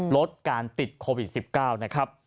ลดการติดโควิด๑๙นะครับ